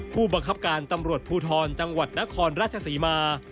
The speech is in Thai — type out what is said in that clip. ผู้บังคับการตำรวจภูทรจังหวัดนครราชศรีมา